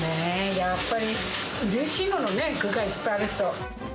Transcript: やっぱり、うれしいものね、具がいっぱいあると。